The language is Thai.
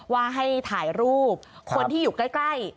ว่าให้ถ่ายรูปคนที่อยู่ใกล้